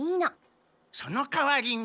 そのかわりに。